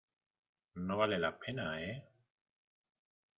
no vale la pena, ¿ eh?